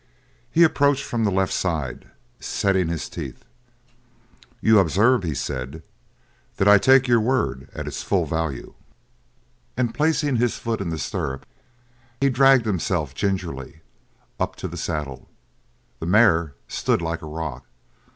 He approached from the left side, setting his teeth. "You observe," he said, "that I take your word at its full value," and placing his foot in the stirrup, he dragged himself gingerly up to the saddle. The mare stood like a rock.